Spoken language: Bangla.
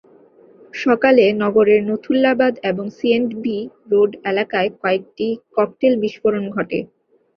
সকালে নগরের নথুল্লাবাদ এবং সিঅ্যান্ডবি রোড এলাকায় কয়েকটি ককটেল বিস্ফোরণ ঘটে।